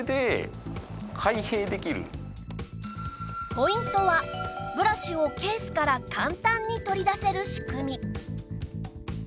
ポイントはブラシをケースから簡単に取り出せる仕組み